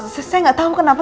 saya gak tau kenapa